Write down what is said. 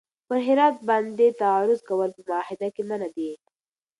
پر هرات باندې تعرض کول په معاهده کي منع دي.